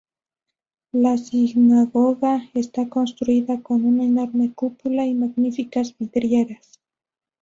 La sinagoga está construida con una enorme cúpula y magníficas vidrieras.